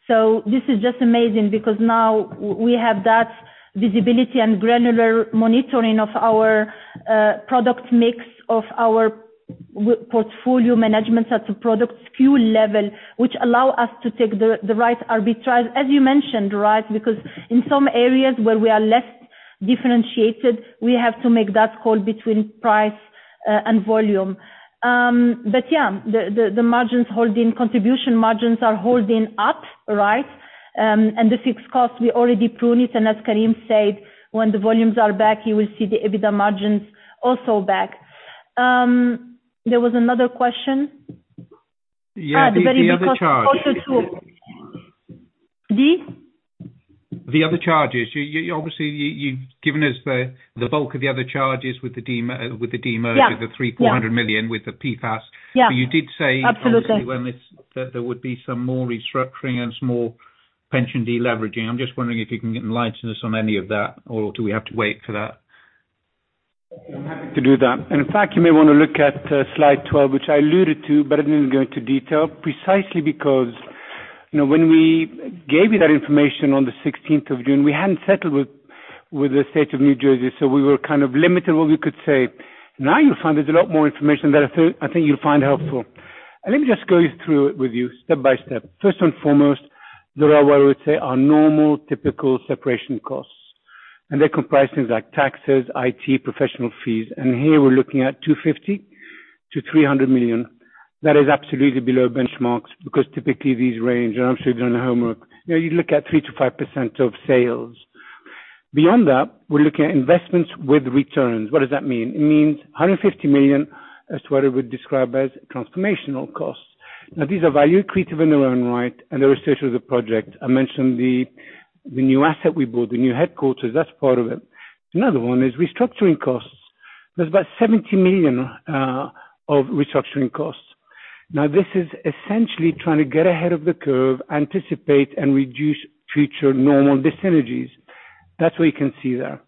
This is just amazing because now we have that visibility and granular monitoring of our product mix, of our portfolio management at the product SKU level, which allow us to take the, the right arbitrage, as you mentioned, right? Because in some areas where we are less differentiated, we have to make that call between price, and volume. Yeah, the, the, the margins holding, contribution margins are holding up, right? The fixed cost, we already pruned it, and as Karim said, when the volumes are back, you will see the EBITDA margins also back. There was another question. Yeah, the other charge. quarter two, the.? The other charges. You obviously, you've given us the bulk of the other charges. Yeah... with the 300 million-400 million, with the PFAS. Yeah. you did say- Absolutely... when this, that there would be some more restructuring and some more pension deleveraging. I'm just wondering if you can enlighten us on any of that, or do we have to wait for that? I'm happy to do that. In fact, you may wanna look at, slide 12, which I alluded to, but I didn't go into detail precisely because, you know, when we gave you that information on the June 16th, we hadn't settled with, with the State of New Jersey, so we were kind of limited what we could say. Now you'll find there's a lot more information that I think you'll find helpful. Let me just go you through it with you step by step. First and foremost, there are what I would say, are normal, typical separation costs, and they comprise things like taxes, IT, professional fees, and here we're looking at 250 million-300 million. That is absolutely below benchmarks, because typically these range, and I'm sure you've done the homework, you know, you look at 3%-5% of sales. Beyond that, we're looking at investments with returns. What does that mean? It means 150 million, as what I would describe as transformational costs. These are value creative in their own right, and the rest of the project. I mentioned the new asset we bought, the new headquarters, that's part of it. Another one is restructuring costs. There's about 70 million of restructuring costs. This is essentially trying to get ahead of the curve, anticipate, and reduce future normal dyssynergies. That's why you can see that.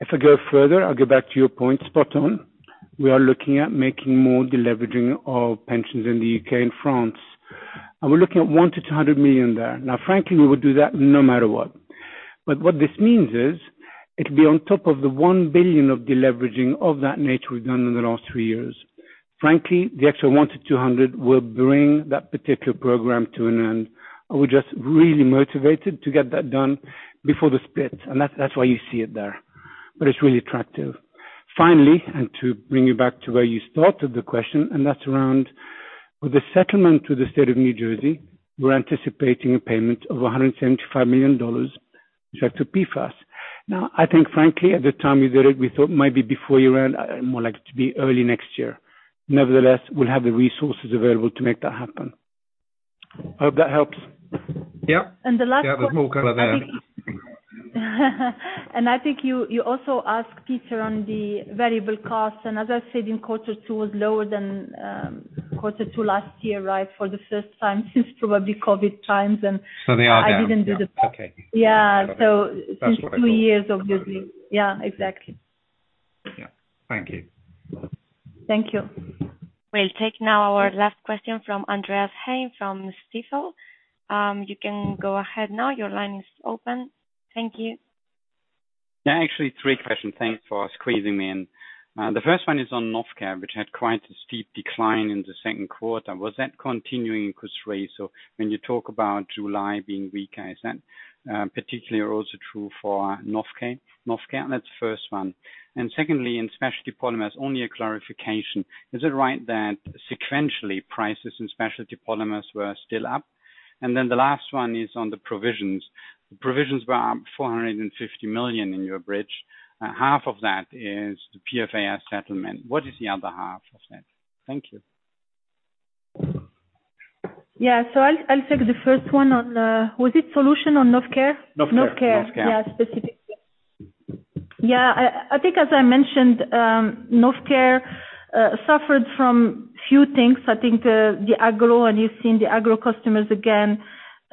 If I go further, I'll go back to your point, spot on. We are looking at making more deleveraging of pensions in the U.K. and France. We're looking at 100 million-200 million there. Frankly, we will do that no matter what. What this means is, it'll be on top of the 1 billion of deleveraging of that nature we've done in the last three years. Frankly, the extra 100 million-200 million will bring that particular program to an end. We're just really motivated to get that done before the split, and that's, that's why you see it there. It's really attractive. Finally, to bring you back to where you started the question, that's around with the settlement to the State of New Jersey, we're anticipating a payment of $175 million. Which are to PFAS. I think frankly, at the time we did it, we thought maybe before year-end, more likely to be early next year. Nevertheless, we'll have the resources available to make that happen. I hope that helps. Yeah. The last one. Yeah, there's more color there. I think you, you also asked Peter on the variable costs, and as I said, in quarter two was lower than quarter two last year, right? For the first time since probably COVID times. They are down. I didn't do. Okay. Yeah. That's what I thought. Two years, obviously. Yeah, exactly. Yeah. Thank you. Thank you. We'll take now our last question from Andreas Heine from Stifel. You can go ahead now. Your line is open. Thank you. Yeah, actually, three questions. Thanks for squeezing me in. The first one is on Novecare, which had quite a steep decline in the second quarter. Was that continuing in Q3? When you talk about July being weaker, is that particularly also true for Novecare? That's the first one. Secondly, in Specialty Polymers, only a clarification: Is it right that sequentially prices in Specialty Polymers were still up? Then the last one is on the provisions. The provisions were up 450 million in your bridge, and half of that is the PFAS settlement. What is the other half of that? Thank you. Yeah. I'll, I'll take the first one on, Was it solution on Novecare? Novecare. Novecare. Novecare. Specifically. I think as I mentioned, Novecare suffered from few things. I think the agro, and you've seen the agro customers again,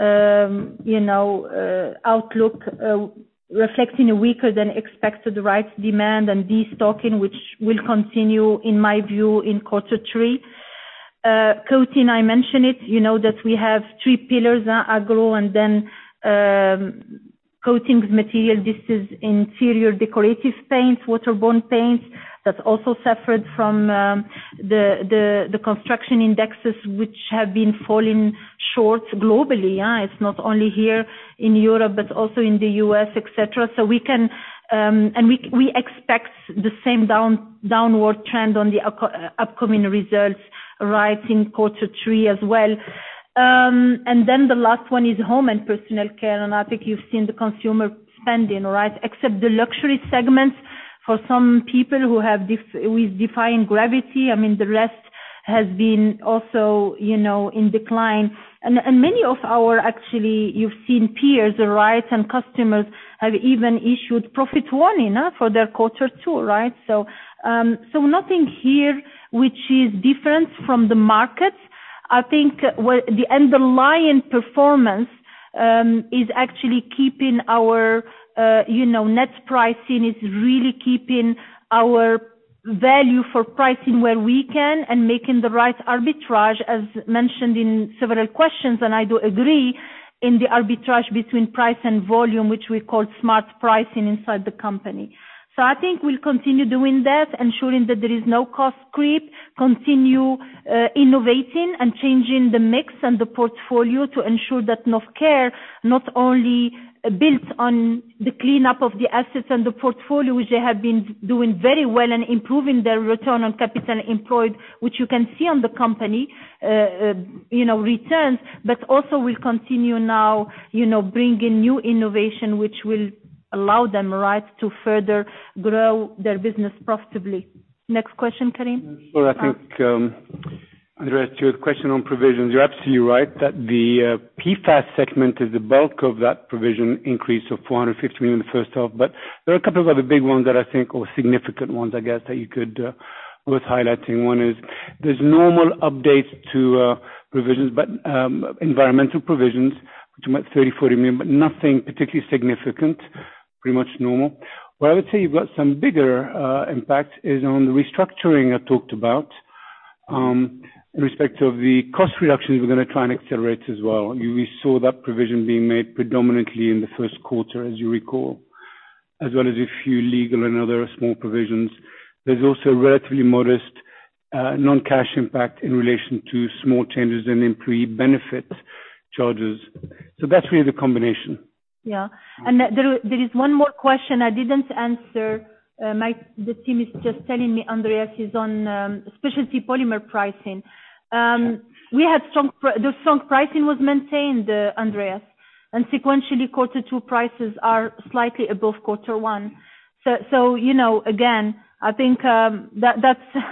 you know, outlook reflecting a weaker than expected demand and destocking, which will continue, in my view, in quarter three. Coating, I mentioned it, you know that we have three pillars, agro and then Coatis, Materials. This is interior decorative paints, waterborne paints. That also suffered from the construction indexes, which have been falling short globally. It's not only here in Europe, but also in the U.S., et cetera. We can, and we expect the same downward trend on the upcoming results in quarter three as well. Then the last one is home and personal care, and I think you've seen the consumer spending, right. Except the luxury segments for some people who have with defying gravity. I mean, the rest has been also, you know, in decline. Many of our actually, you've seen peers, right, and customers have even issued profit warning, for their quarter two, right. Nothing here, which is different from the markets. I think what... The underlying performance is actually keeping our, you know, net pricing. It's really keeping our value for pricing where we can and making the right arbitrage, as mentioned in several questions, and I do agree, in the arbitrage between price and volume, which we call smart pricing inside the company. I think we'll continue doing that, ensuring that there is no cost creep, continue innovating and changing the mix and the portfolio to ensure that Novecare not only builds on the cleanup of the assets and the portfolio, which they have been doing very well and improving their return on capital employed, which you can see on the company, you know, returns. Also will continue now, you know, bringing new innovation, which will allow them, right, to further grow their business profitably. Next question, Karim? Well, I think, Andreas, to your question on provisions, you're absolutely right that the PFAS segment is the bulk of that provision increase of 450 million in the first half. There are a couple of other big ones that I think, or significant ones, I guess, that you could worth highlighting. One is, there's normal updates to provisions, but environmental provisions, which are about 30 million-40 million, but nothing particularly significant. Pretty much normal. Where I would say you've got some bigger impact is on the restructuring I talked about in respect of the cost reductions we're gonna try and accelerate as well. We saw that provision being made predominantly in the first quarter, as you recall, as well as a few legal and other small provisions. There's also a relatively modest non-cash impact in relation to small changes in employee benefit charges. That's really the combination. Yeah. There, there is one more question I didn't answer. My... the team is just telling me, Andreas, is on Specialty Polymer pricing. We had strong the strong pricing was maintained, Andreas, and sequentially, quarter two prices are slightly above quarter one. You know, again, I think that, that's,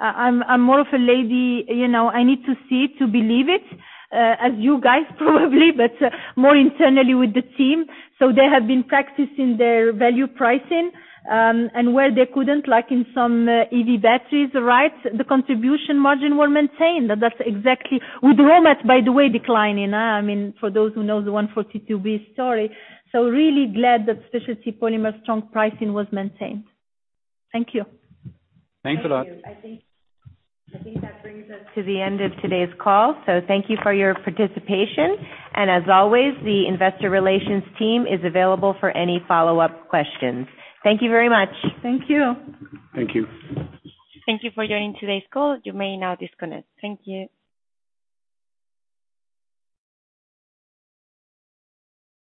I'm, I'm more of a lady, you know, I need to see to believe it, as you guys probably, but more internally with the team. They have been practicing their value pricing, and where they couldn't, like in some EV batteries, right, the contribution margin were maintained. That's exactly... With raw mats, by the way, declining. I mean, for those who know the 142b story. Really glad that Specialty Polymer strong pricing was maintained. Thank you. Thanks a lot. Thank you. I think that brings us to the end of today's call. Thank you for your participation, and as always, the investor relations team is available for any follow-up questions. Thank you very much. Thank you. Thank you. Thank you for joining today's call. You may now disconnect. Thank you.